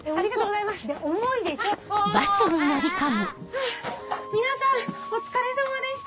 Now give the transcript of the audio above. ハァ皆さんお疲れさまでした。